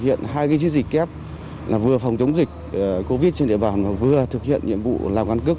hiện hai cái chiến dịch kép